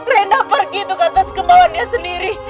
rena pergi ke atas kemauannya sendiri